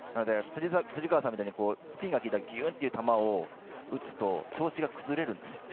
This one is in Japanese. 藤川さんみたいにスピンが利いた球を打つと調子が崩れるんですよね。